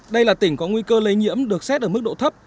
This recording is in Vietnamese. đây là tỉnh có nguy cơ lây nhiễm được xét ở mức độ thấp